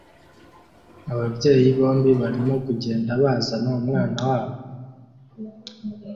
Ababyeyi bombi barimo kugenda bazana umwana wabo